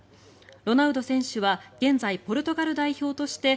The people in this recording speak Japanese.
ロナウド選手は現在、ポルトガル代表として